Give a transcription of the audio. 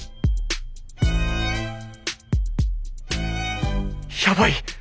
心の声やばい！